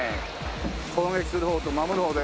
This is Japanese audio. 攻撃する方と守る方で。